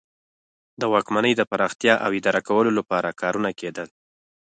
د واکمنۍ د پراختیا او اداره کولو لپاره کارونه کیدل.